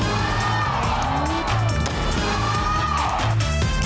อะไรอย่างนี้เบน